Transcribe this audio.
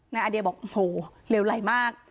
นายอดีตบอกโหเลวไหลมาก